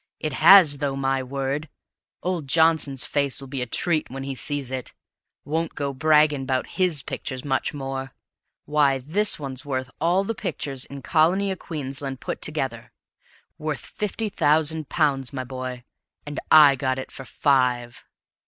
It has, though, MY word! Old Johnson's face will be a treat when he sees it; won't go bragging about HIS pictures much more. Why, this one's worth all the pictures in Colony o' Queensland put together. Worth fifty thousand pounds, my boy and I got it for five!"